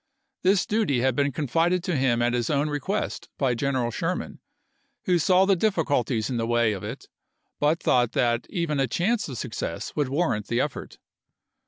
This duty had been confided to him at his own re quest by General Sherman, who saw the difficulties in the way of it : but thought that even a chance of success would warrant the effort.